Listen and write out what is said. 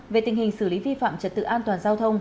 về tình hình xử lý vi phạm trật tự an toàn giao thông